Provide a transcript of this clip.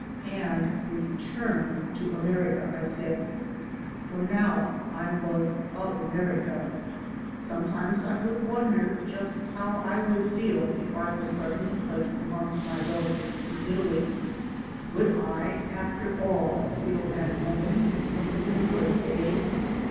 "And return to America," I said. For now I was of America. Sometimes I would wonder just how I would feel if I were suddenly placed among my relatives in Italy. Would I, after all, feel at home even for a day?